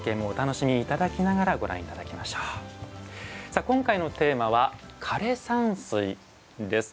さあ今回のテーマは「枯山水」です。